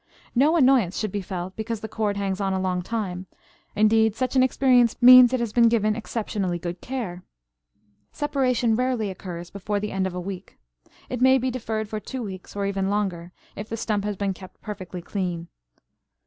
No annoyance should be felt because the cord hangs on a long time; indeed, such an experience means it has been given exceptionally good care. Separation rarely occurs before the end of a week. It may be deferred for two weeks, or even longer, if the stump has been kept perfectly clean.